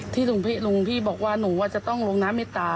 ลุงพี่บอกว่าหนูว่าจะต้องลงน้ำเมตตา